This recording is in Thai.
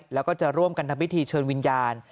แล้วก็จะร่วมกันทำพิธีเชิญวิญญาณ